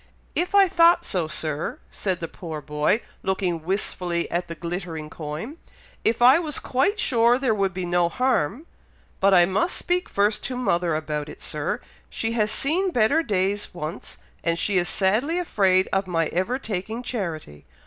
"If I thought so, Sir," said the poor boy, looking wistfully at the glittering coin. "If I was quite sure there could be no harm , but I must speak first to mother about it, Sir! She has seen better days once, and she is sadly afraid of my ever taking charity.